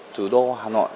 thủ đô hà nội